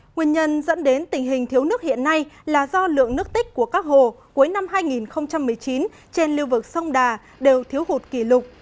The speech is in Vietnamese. nguyên nhân dẫn đến tình hình thiếu nước hiện nay là do lượng nước tích của các hồ cuối năm hai nghìn một mươi chín trên lưu vực sông đà đều thiếu hụt kỷ lục